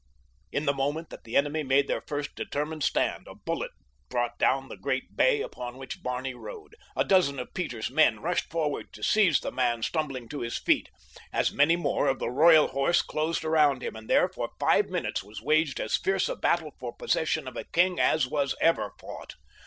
In the moment that the enemy made their first determined stand a bullet brought down the great bay upon which Barney rode. A dozen of Peter's men rushed forward to seize the man stumbling to his feet. As many more of the Royal Horse closed around him, and there, for five minutes, was waged as fierce a battle for possession of a king as was ever fought.